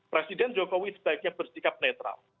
presiden jokowi sebaiknya bersikap netral